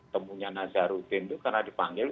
temunya nazaruddin itu karena dipanggil